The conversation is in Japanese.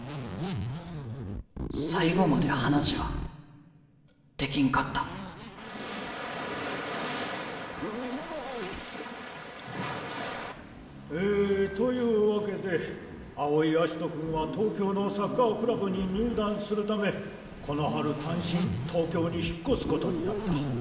最後まで話はできんかったえというわけで青井葦人君は東京のサッカークラブに入団するためこの春単身東京に引っ越すことになった。